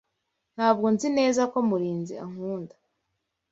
Ntabwo nzi neza ko Murinzi akunda.